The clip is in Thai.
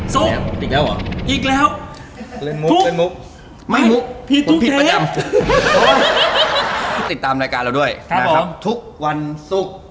สุกอีกแล้วเล่นมุกไม่มุกติดตามรายการเราด้วยครับผมทุกวันสุก